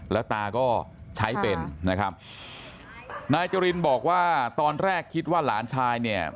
แล้วตาก็ใช้เป็นนะครับนายจรินบอกว่าตอนแรกคิดว่าหลานชายเนี่ย